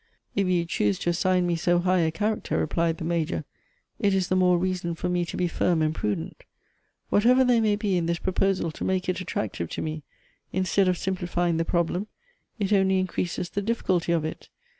4' If you choose to assign me so high a character," /replied the Major, "it is the more renson for me to be ' firm and prudent. Whatever there may be in this pro posal to make it attractive to me, instead of simplifying the problem, it only increases the difficulty of it.